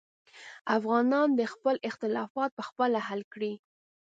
افغانان دې خپل اختلافات پخپله حل کړي.